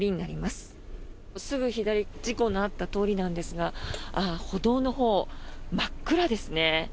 すぐ左事故のあった通りなんですが歩道のほう真っ暗ですね。